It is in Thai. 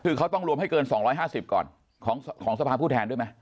คือเขาต้องรวมให้เกิน๒๕๐ก่อนของสภาพผู้แทนด้วยไหม